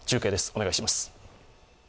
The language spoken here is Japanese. お願いします。